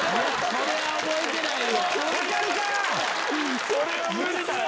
それは覚えてないよ。